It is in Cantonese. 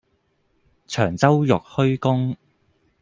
長洲玉虛宮